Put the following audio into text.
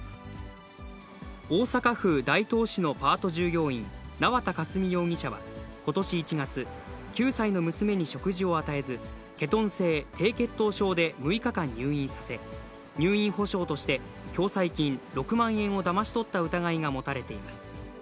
大阪府大東市のパート従業員、縄田佳純容疑者はことし１月、９歳の娘に食事を与えず、ケトン性低血糖症で６日間入院させ、入院保障として共済金６万円をだまし取った疑いが持たれています。